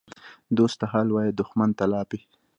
دوست ته حال وایه، دښمن ته لاپې.